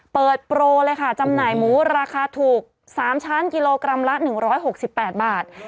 เปิดโปรเลยค่ะจำหน่ายหมูราคาถูก๓ชั้นกิโลกรัมละ๑๖๘บาท